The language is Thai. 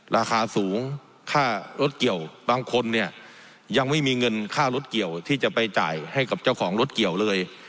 ราคาสูงค่ารถเกี่ยวบางคนเนี่ยยังไม่มีเงินค่ารถเกี่ยวที่จะไปจ่ายให้กับเจ้าของรถเกี่ยวเลย